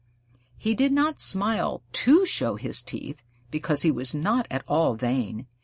He did not smile to show his teeth, because he was not at all vain.